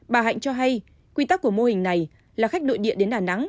bà hạnh cho hay quy tắc của mô hình này là khách nội địa đến đà nẵng